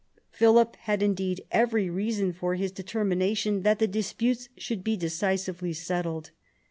Philip had indeed every reason for his determination that the disputes should be decisively settled.